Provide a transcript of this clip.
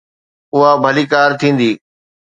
اها ڀليڪار ٿيندي.